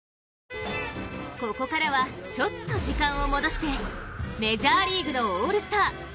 ここからは、ちょっと時間を戻してメジャーリーグのオールスター。